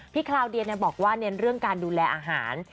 คราวเดียบอกว่าเน้นเรื่องการดูแลอาหาร